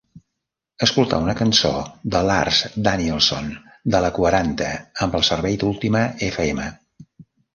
Escoltar una cançó de lars Danielsson de la quaranta amb el servei d'última FM